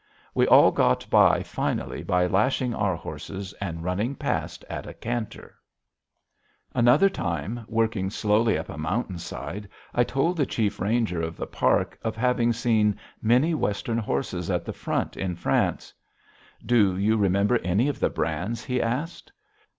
We all got by finally by lashing our horses and running past at a canter. [Illustration: PUMPELLY'S PILLAR AND EATON PARTY] Another time, working slowly up a mountain side, I told the chief ranger of the park of having seen many Western horses at the front in France. "Do you remember any of the brands?" he asked.